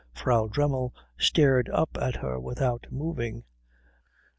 Frau Dremmel stared up at her without moving.